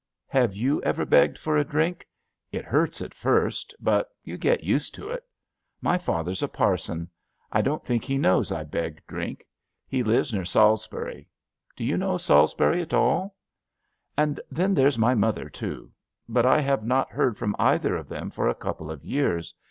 Have you ever begged for a drink ? It hurts at first, but you HER LITTLE RESPONSIBILITY 15 get used to it* My father's a parson. I don't think he knows I beg drink. He lives near Salis bury. Do you know Salisbury at allt And then there's my mother, too. But I have not heard from either of them for a couple of years.